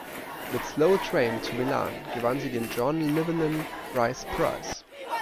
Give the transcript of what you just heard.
Mit "Slow Train to Milan" gewann sie den John Llewellyn Rhys Prize.